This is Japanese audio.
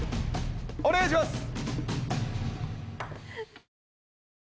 お願いします！